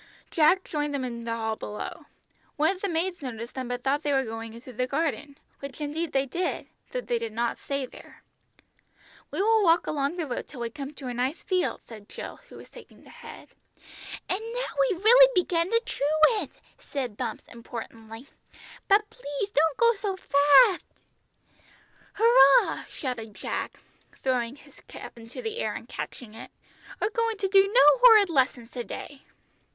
Jack joined them in the hall below. One of the maids noticed them but thought they were going into the garden, which indeed they did, though they did not stay there. "We will walk along the road till we come to a nice field," said Jill, who was taking the head. "And now we've really begun to truant!" said Bumps importantly; "but please don't go so fatht!" "Hurrah!" shouted Jack, throwing his cap into the air and catching it; "we're going to do no horrid lessons to day!"